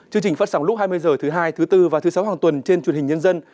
chương trình phát sóng lúc hai mươi h thứ hai thứ bốn và thứ sáu hàng tuần trên truyền hình nhân dân